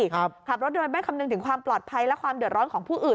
ขับรถโดยไม่คำนึงถึงความปลอดภัยและความเดือดร้อนของผู้อื่น